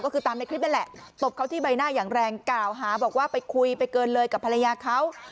ก็คือตามในคลิปนั่นแหละตบเขาที่ใบหน้าอย่างแรงกล่าวหาบอกว่าไปคุยไปเกินเลยกับภรรยาเขา